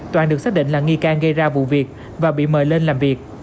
toàn được xác định là nghi can gây ra vụ việc và bị mời lên làm việc